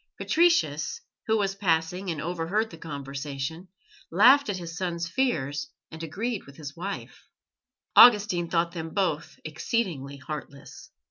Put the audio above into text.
Patricius, who was passing and overheard the conversation, laughed at his son's fears and agreed with his wife. Augustine thought them both exceedingly heartless.